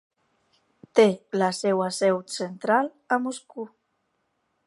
Té la seva seu central a Moscou.